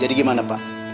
jadi gimana pak